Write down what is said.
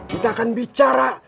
kita akan bicara